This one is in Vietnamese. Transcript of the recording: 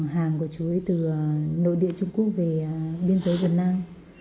hàng của chú ấy từ nội địa trung quốc về biên giới việt nam